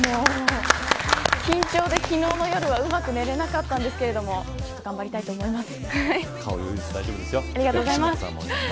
緊張で昨日の夜はうまく寝れなかったんですけれどちょっと頑張りたいと思います。